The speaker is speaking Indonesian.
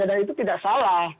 dan itu tidak salah